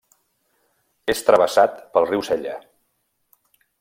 És travessat pel riu Sella.